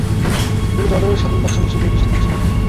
তিনি জর্ডানের স্বাধীন বাদশাহ হিসেবে অধিষ্ঠিত ছিলেন।